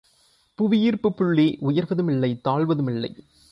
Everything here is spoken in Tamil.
புவி ஈர்ப்புப் புள்ளி உயர்வதுமில்லை தாழ்வதுமில்லை.